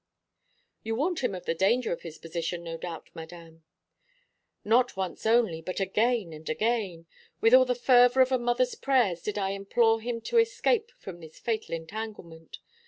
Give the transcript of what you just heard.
"You warned him of the danger of his position, no doubt, Madame." "Not once only, but again and again. With all the fervour of a mother's prayers did I implore him to escape from this fatal entanglement.